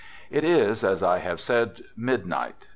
It is, as I have said, midnight.